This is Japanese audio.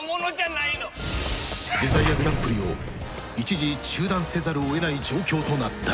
デザイアグランプリを一時中断せざるを得ない状況となった